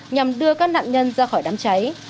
nhằm đưa các nạn nhân ra khỏi đám cháy